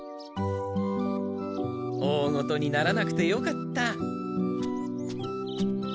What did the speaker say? おおごとにならなくてよかった。